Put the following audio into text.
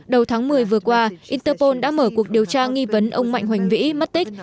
đầu tháng một mươi vừa qua interpol đã mở cuộc điều tra nghi vấn ông mạnh hoành vĩ mất tích